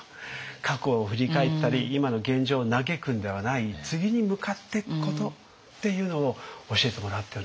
過去を振り返ったり今の現状を嘆くんではない次に向かってくことっていうのを教えてもらったような気がしました。